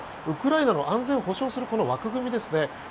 ウクライナの安全を保証するこの枠組みですね。